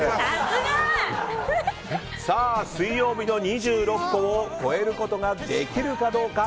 水曜日の２６個を超えることができるかどうか。